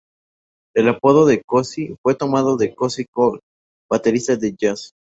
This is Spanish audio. El apodo de "Cozy" fue tomado de Cozy Cole, baterista de "jazz".